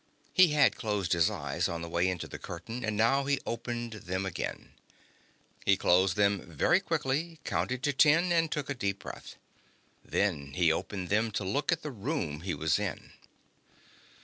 He had closed his eyes on the way into the curtain, and now he opened them again. He closed them very quickly, counted to ten, and took a deep breath. Then he opened them to look at the room he was in.